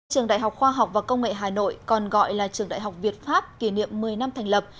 trường đại học khoa học và công nghệ hà nội còn gọi là trường đại học việt pháp kỷ niệm một mươi năm thành lập